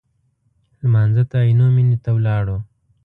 لمانځه ته عینومېنې ته ولاړو.